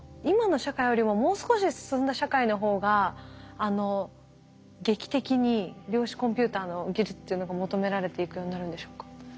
今の社会よりももう少し進んだ社会の方が劇的に量子コンピューターの技術というのが求められていくようになるんでしょうか？